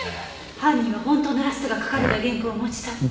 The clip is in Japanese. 犯人は本当のラストが書かれた原稿を持ち去った。